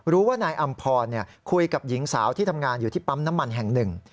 รู้ว่านายอำพรคุยกับหญิงสาวที่ทำงานอยู่ที่ปั๊มน้ำมันแห่งหนึ่ง